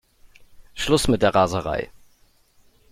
Schluss mit der Raserei!